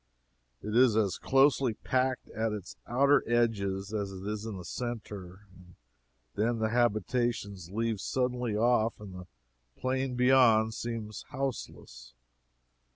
It is as closely packed at its outer edges as it is in the centre, and then the habitations leave suddenly off and the plain beyond seems houseless.